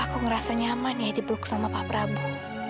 aku ngerasa nyaman ya dipeluk sama pak prabowo